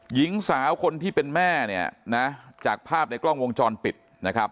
หญิงสาวคนที่เป็นแม่เนี่ยนะจากภาพในกล้องวงจรปิดนะครับ